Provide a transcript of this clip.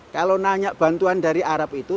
kalau nanya bantuan dari arab itu